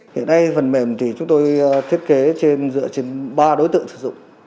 hiện nay phần mềm thì chúng tôi thiết kế trên dựa trên ba đối tượng sử dụng